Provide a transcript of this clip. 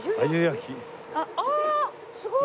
ああすごい！